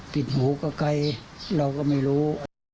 ติดหูกับใครเราก็ไม่รู้